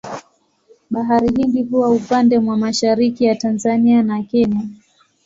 Bahari Hindi huwa upande mwa mashariki ya Tanzania na Kenya.